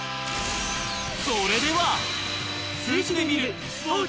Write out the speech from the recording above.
それでは。